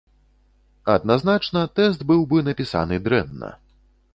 Адназначна, тэст быў бы напісаны дрэнна.